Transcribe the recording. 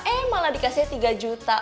eh malah dikasih tiga juta